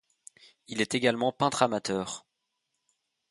Il est également peintre amateur.